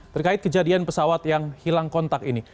terkait kejadian pesawat yang hilang kontak ini